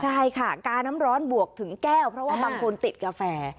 ใช่ค่ะกาน้ำร้อนบวกถึงแก้วเพราะว่าบางคนติดกาแฟ